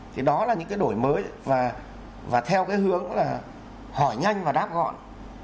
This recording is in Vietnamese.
thì đó là những cái đổi mới và theo cái hướng là hỏi nhanh và đáp gọn